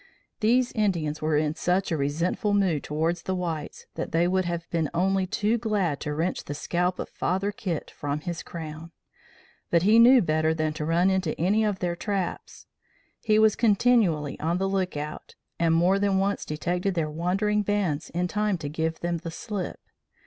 These Indians were in such a resentful mood towards the whites that they would have been only too glad to wrench the scalp of Father Kit from his crown; but he knew better than to run into any of their traps. He was continually on the lookout, and more than once detected their wandering bands in time to give them the slip.